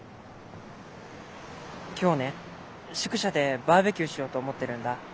今日ね宿舎でバーベキューしようと思ってるんだ。